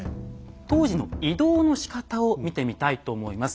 当時の移動のしかたを見てみたいと思います。